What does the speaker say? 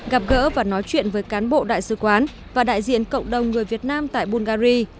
gặp gỡ và nói chuyện với cán bộ đại sứ quán và đại diện cộng đồng người việt nam tại bungary